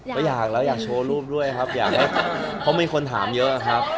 ก็อยากแล้วอยากโชว์รูปด้วยครับอยากให้เพราะมีคนถามเยอะครับ